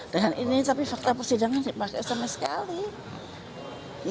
tapi fakta persidangan dipakai sama sekali